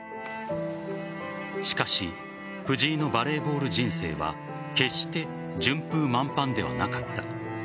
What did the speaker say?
しかし藤井のバレーボール人生は決して順風満帆ではなかった。